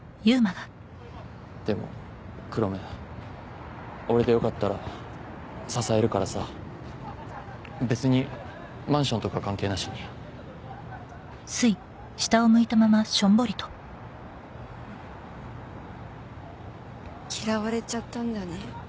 でも黒目俺でよかったら支えるからさ別にマンションとか関係なしに嫌われちゃったんだね